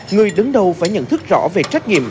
người đứng đầu phải nhận thức rõ về trách nhiệm